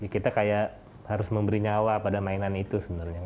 kita kayak harus memberi nyawa pada mainan itu sebenarnya